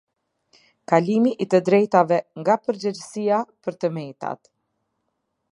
Kalimi i të drejtave nga përgjegjësia për të metat.